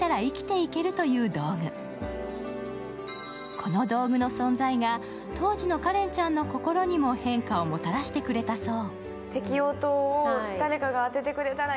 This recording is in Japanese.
この道具の存在が当時の花恋ちゃんの心にも変化をもたらしてくれたそう。